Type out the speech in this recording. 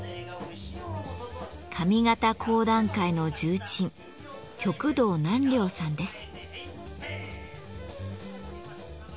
上方講談界の重鎮旭堂南陵さんです。